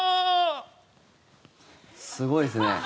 すごいっすね。